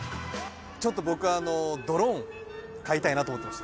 ちょっと僕ドローン買いたいなと思ってまして。